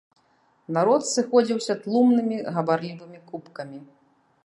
Народ сыходзіўся тлумнымі гаварлівымі купкамі.